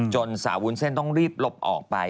สาววุ้นเส้นต้องรีบหลบออกไป